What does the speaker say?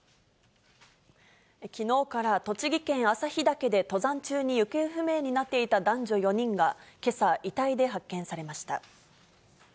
きのうから栃木県朝日岳で登山中に行方不明になっていた男女４人が、けさ、遺体で発見されました。